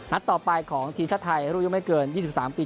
ต่อไปของทีมชาติไทยรุ่นอายุไม่เกิน๒๓ปี